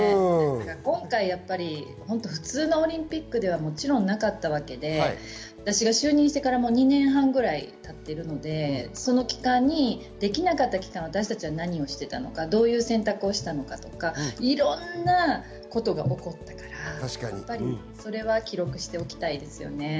今回やっぱり普通のオリンピックではもちろんなかったわけで、私が就任してからもう２年半ぐらい経っているので、その期間にできなかった期間、私たちは何をしていたのか、どういう選択をしたのかとか、いろんなことが起こったから、それは記録しておきたいですよね。